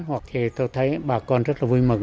hoặc thì tôi thấy bà con rất là vui mừng